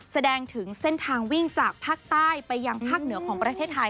แสดงถึงเส้นทางวิ่งจากภาคใต้ไปยังภาคเหนือของประเทศไทย